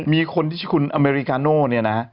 มีคนที่ชื่อคุณอเมริกาโน่เนี่ยนะฮะ